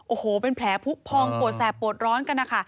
โอ้โหเป็นแผลพุกพองปวดแซบปวดร้อนกัน